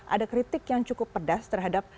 ada kritik yang cukup pedas terhadap